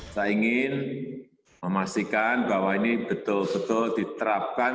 saya ingin memastikan bahwa ini betul betul diterapkan